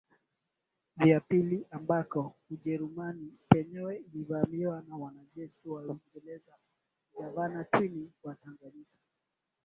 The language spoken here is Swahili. vya pili ambako Ujerumani penyewe ilivamiwa na wanajeshi wa Uingereza gavana Twining wa Tanganyika